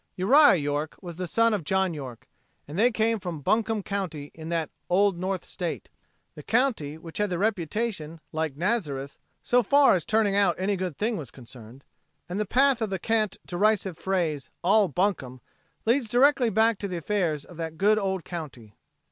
Uriah York was the son of John York, and they came from Buncombe county in that "Old North State," the county which had a reputation like Nazareth so far as turning out any good thing was concerned, and the path of the cant, derisive phrase, "All bunkum," leads directly back to the affairs of that good old county.